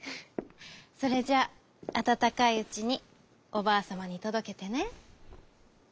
それじゃああたたかいうちにおばあさまにとどけてね」。